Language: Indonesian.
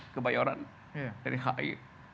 kebayoran dari hi